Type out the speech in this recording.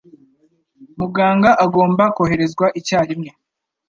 Muganga agomba koherezwa icyarimwe.